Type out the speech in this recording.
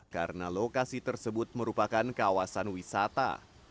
karena lokasi tersebut merupakan kawasan wisata